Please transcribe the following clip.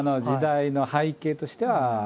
時代の背景としては。